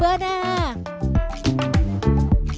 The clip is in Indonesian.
singkong dan telur